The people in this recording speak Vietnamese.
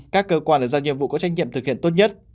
các cơ quan được giao nhiệm vụ có trách nhiệm thực hiện tốt nhất